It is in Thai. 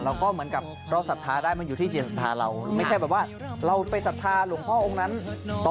เราก็เหมือนกับการสัทธาได้อยู่ที่สถาเราไม่ใช่ไปสัทธาหลวงพระองค์นั้น